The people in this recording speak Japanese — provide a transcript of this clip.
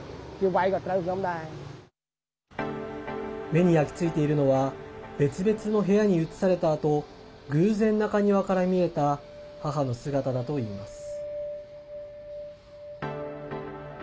目に焼き付いているのは別々の部屋に移されたあと偶然、中庭から見えた母の姿だといいます。